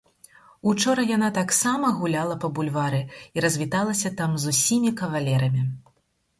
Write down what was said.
Учора яна таксама гуляла па бульвары і развіталася там з усімі кавалерамі.